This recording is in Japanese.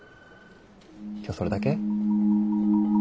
今日それだけ？